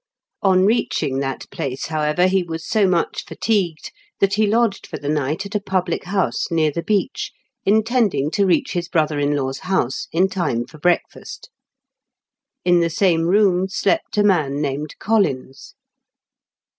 On reaching that place, however, he was so much fatigued that he lodged for the night at a public house near the beach, intending to reach his brother in law's house in time for breakfast. In the same room slept a man named Collins.